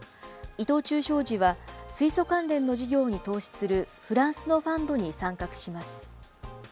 伊藤忠商事は、水素関連の事業に投資するフランスのファンドに参画します。